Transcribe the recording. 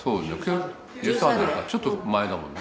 １３年かちょっと前だもんね。